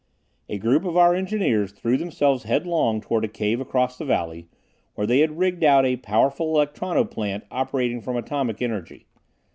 A group of our engineers threw themselves headlong toward a cave across the valley, where they had rigged out a powerful electrono plant operating from atomic energy.